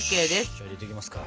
じゃあ入れていきますか。